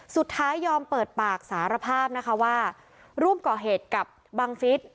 สุดท้ายยอมเปิดปากสารภาพนะคะว่าร่วมก่อเหตุกับบังฟิศ